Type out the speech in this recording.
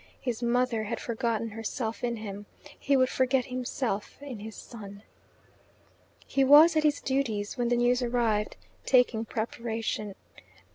His mother had forgotten herself in him. He would forget himself in his son. He was at his duties when the news arrived taking preparation.